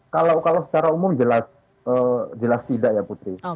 kalau secara umum jelas tidak ya putri